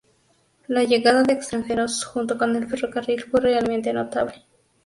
La llegada de extranjeros junto con el ferrocarril fue realmente notable.